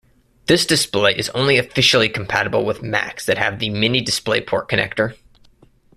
This display is only officially compatible with Macs that have the Mini DisplayPort connector.